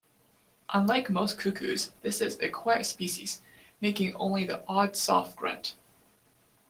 Unlike most cuckoos, this is a quiet species, making only the odd soft grunt.